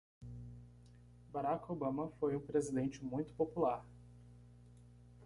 Barack Obama foi um presidente muito popular.